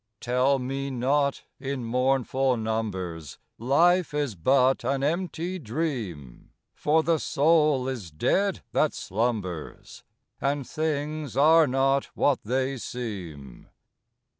Tell me not, in mournful numbers, Life is but an empty dream ! For the soul is dead that slumbers. And things are not what they seem.